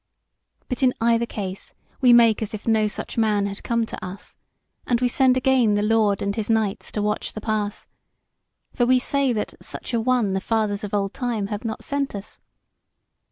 But in either case we make as if no such man had come to us, and we send again the lord and his knights to watch the pass; for we say that such an one the Fathers of old time have not sent us.